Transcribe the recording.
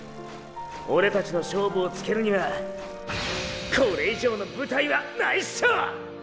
オレたちの勝負をつけるにはこれ以上の舞台はないっショ！